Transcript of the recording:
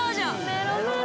メロメロ